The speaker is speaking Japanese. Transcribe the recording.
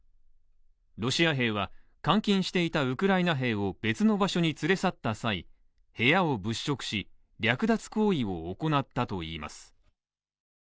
ロシア兵は監禁していたウクライナ兵を、別の場所に連れ去った際部屋を物色し、略奪行為を行ったといいます。